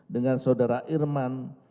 dengan saudara irman